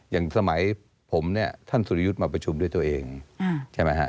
อย่างสมัยผมเนี่ยท่านสุรยุทธ์มาประชุมด้วยตัวเองใช่ไหมฮะ